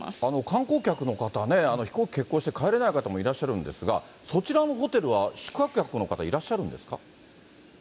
観光客の方ね、飛行機欠航して帰れない方もいらっしゃるんですが、そちらのホテルは宿泊客の方、いらっしゃるんですか。